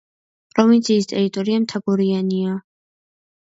პროვინციის ტერიტორია მთაგორიანია.